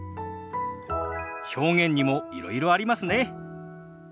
表現にもいろいろありますね。